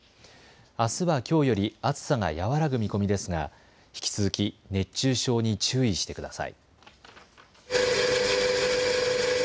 あすはきょうより暑さが和らぐ見込みですが引き続き熱中症に注意してください。